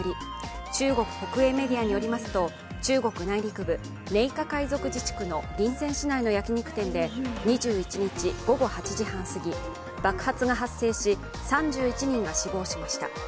中国国営メディアによりますと中国内陸部、寧夏回族自治区の銀川市内の焼き肉店で２１日午後８時半すぎ、爆発が発生し、３１人が死亡しました